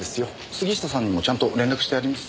杉下さんにもちゃんと連絡してあります。